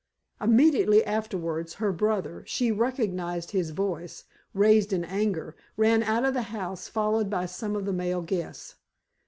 Immediately afterwards, her brother she recognized his voice raised in anger ran out of the house, followed by some of the male guests.